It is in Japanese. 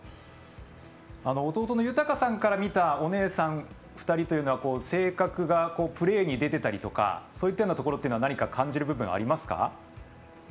弟の勇大可さんから見たお姉さん２人というのは性格がプレーに出てたりとかそういったようなところは感じる部分ありますか？